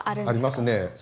ありますね。